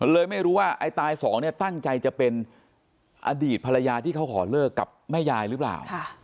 เลยไม่รู้ว่าไอ้ตายสองเนี่ยตั้งใจจะเป็นอดีตภรรยาที่เขาขอเลิกกับแม่ยายหรือเปล่า